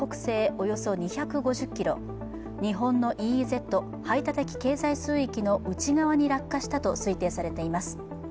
およそ２５０ｋｍ、日本のＥＥＺ＝排他的経済水域の内側に落下したと推定されています。